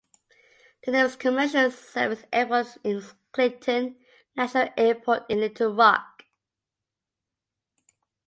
The nearest commercial service airport is Clinton National Airport in Little Rock.